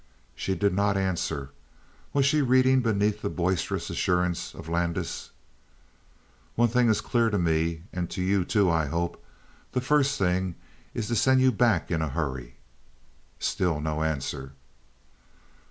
She did not answer. Was she reading beneath the boisterous assurance of Landis? "One thing is clear to me and to you, too, I hope. The first thing is to send you back in a hurry." Still no answer.